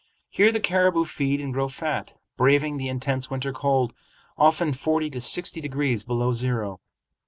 Here the caribou feed and grow fat, braving the intense winter cold, often forty to sixty degrees below zero.